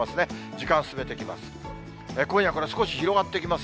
時間進めていきます。